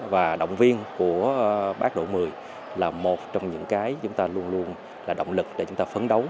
và động viên của bác đỗ mười là một trong những cái chúng ta luôn luôn là động lực để chúng ta phấn đấu